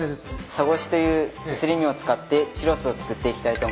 サゴシというすり身を使ってチュロスを作っていきたいと思います。